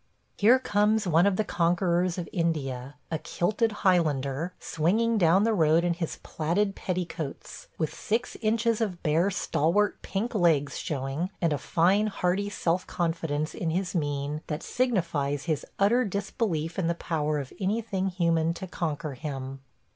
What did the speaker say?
... Here comes one of the conquerors of India, a kilted Highlander, swinging down the road in his plaided petticoats, with six inches of bare stalwart pink legs showing, and a fine hearty self confidence in his mien that signifies his utter disbelief in the power of anything human to conquer him.